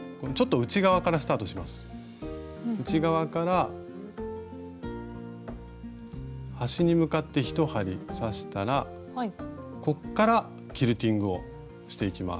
内側から端に向かって１針刺したらこっからキルティングをしていきます。